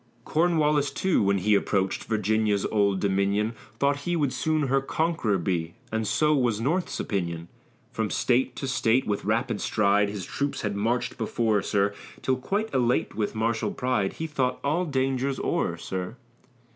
Cornwallis, too, when he approach'd Virginia's old dominion, Thought he would soon her conqu'ror be; And so was North's opinion. From State to State with rapid stride, His troops had march'd before, sir, Till quite elate with martial pride, He thought all dangers o'er, sir.